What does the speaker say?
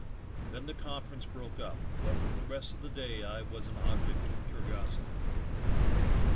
Then the conference broke up, but for the rest of the day I was an object of curiosity.